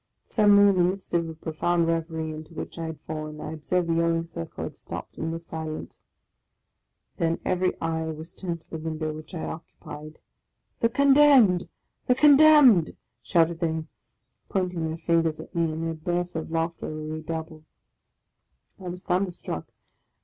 Suddenly, in the midst of a profound reverie into which I had fallen, I observed the yelling circle had stopped, and was silent. Then every eye was turned to the window which I occupied. " The Condemned ! the Condemned !" shouted they, pointing their fingers at me; and their bursts of laugh ter were redoubled, I was thunderstruck.